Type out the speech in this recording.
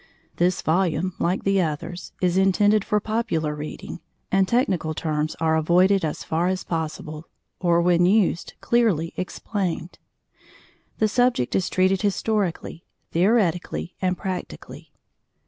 This volume, like the others, is intended for popular reading, and technical terms are avoided as far as possible, or when used clearly explained. The subject is treated historically, theoretically, and practically.